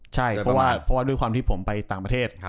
ใช่เพราะว่าด้วยความที่ผมไปต่างประเทศ